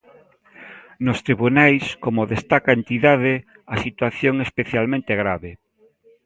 Nos tribunais, como destaca a entidade, "a situación é especialmente grave".